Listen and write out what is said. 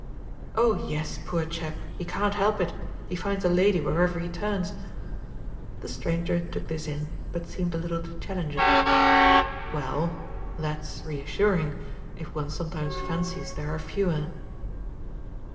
"Oh yes, poor chap, he can't help it. He finds a lady wherever he turns." The stranger took this in, but seemed a little to challenge it. "Well, that's reassuring, if one sometimes fancies there are fewer."